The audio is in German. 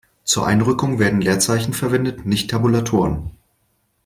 Zur Einrückung werden Leerzeichen verwendet, nicht Tabulatoren.